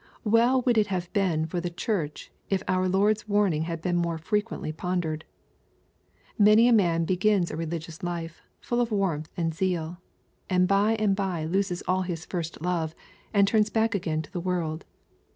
WeU would it have been for the Church if our Lord's warning had been more frequently pondered 1 Many a man begins a religious life, full of warmth and zeal, and by and bye loses' all his first love, and turns back again to the world.